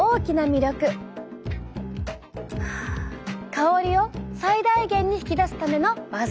香りを最大限に引き出すためのワザ！